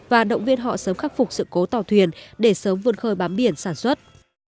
và động viên họ sớm khắc phục sự cố tàu thuyền để sớm vươn khơi bám biển sản xuất